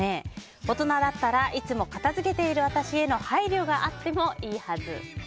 大人だったらいつも片づけている私への配慮があってもいいはず。